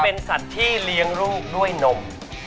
เป็นสัตว์ที่เลี้ยงลูกด้วยนม